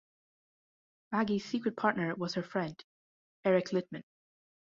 Maggie's secret partner was her friend, Eric Littmann.